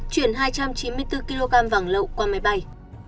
chuyển hai trăm chín mươi bốn kg vàng lậu qua máy bay